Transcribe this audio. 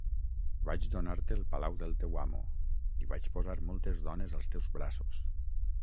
Vaig donar-te el palau del teu amo i vaig posar moltes dones als teus braços.